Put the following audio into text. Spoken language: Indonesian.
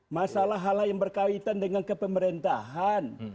masalah hal yang berkaitan dengan kepemerintahan